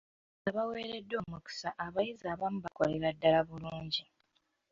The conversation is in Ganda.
Nga baweereddwa omukisa abayizi abamu bakolera ddaala bulungi.